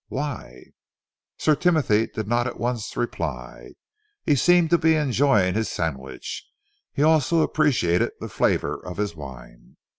"Why?" Sir Timothy did not at once reply. He seemed to be enjoying his sandwich; he also appreciated the flavour of his wine.